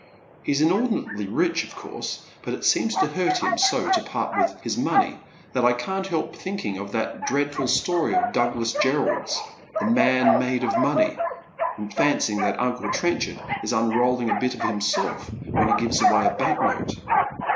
He's inordinately rich, of course, but it seems to hurt him so to part with his mo^iey that I can't help thinking of that dreadful story of Douglas Jerrold's, ' The Man made of Money,' and fancying that uncle Trenchard i» unrolling a bit of himself when he gives away a bank note."